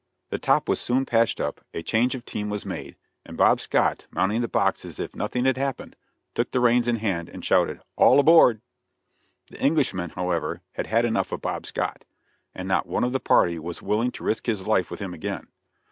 The top was soon patched up, a change of team was made, and Bob Scott, mounting the box as if nothing had happened, took the reins in hand, and shouted, "All aboard!" The Englishmen, however, had had enough of Bob Scott, and not one of the party was willing to risk his life with him again.